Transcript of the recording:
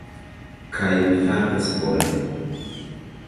Kaj li fartas bone.